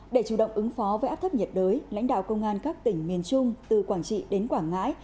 để chủ động ứng phó với áp thấp nhiệt đới lãnh đạo công an các tỉnh miền trung từ quảng trị đến quảng ngãi